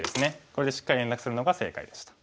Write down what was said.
これでしっかり連絡するのが正解でした。